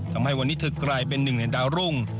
ทำให้วันนี้เธอกลายเป็นหนึ่งในดาวรุ่ง